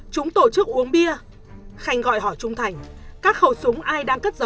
chúng tổ chức uống bia khanh gọi hỏi trung thành các khẩu súng ai đang cất giấu